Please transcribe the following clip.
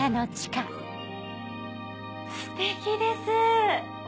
ステキです。